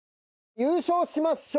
優勝しましょう！